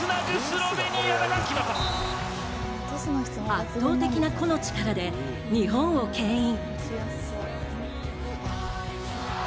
圧倒的な個の力で日本をけん引。